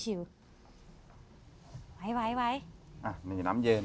ไหวน้ำเย็น